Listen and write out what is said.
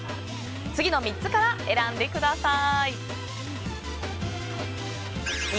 次の３つから選んでください。